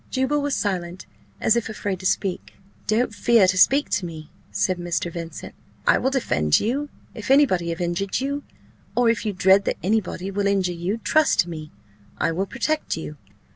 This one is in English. Juba was silent, as if afraid to speak "Don't fear to speak to me," said Mr. Vincent; "I will defend you: if anybody have injured you, or if you dread that any body will injure you, trust to me; I will protect you."